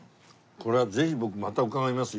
これはぜひ僕また伺いますゆっくり。